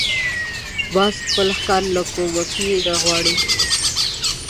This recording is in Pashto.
باز خپل ښکار له کومکي نه غواړي